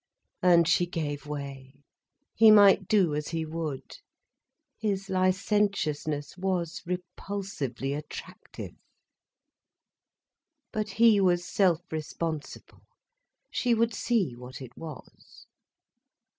And she gave way, he might do as he would. His licentiousness was repulsively attractive. But he was self responsible, she would see what it was.